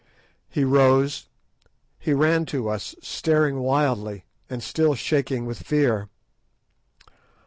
He rose; he ran to us, staring wildly, and still shaking with fear.